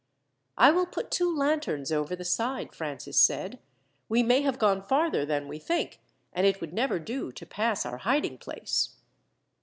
"I will put two lanterns over the side," Francis said. "We may have gone farther than we think, and it would never do to pass our hiding place."